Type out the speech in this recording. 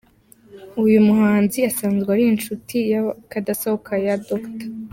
Uyu muhanzi asanzwe ari inshuti y’akadasohoka ya Dr.